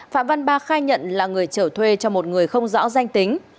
phạm văn ba khai nhận là người trở thuê cho một người không rõ danh tính